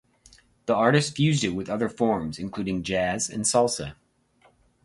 The artists fused it with other forms, including jazz and salsa.